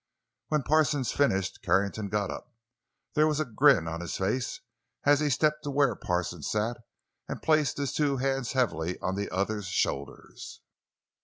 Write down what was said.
When Parsons finished Carrington got up. There was a grin on his face as he stepped to where Parsons sat and placed his two hands heavily on the other's shoulders.